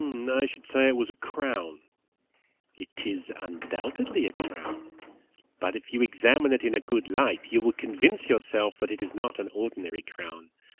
"I should say it was a crown." "It is undoubtedly a crown; but if you examine it in a good light, you will convince yourself that it is not an ordinary crown.